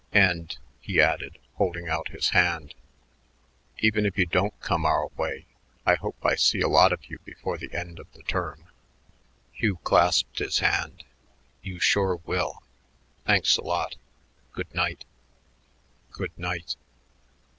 And," he added, holding out his hand, "even if you don't come our way, I hope I see a lot of you before the end of the term." Hugh clasped his hand. "You sure will. Thanks a lot. Good night." "Good night."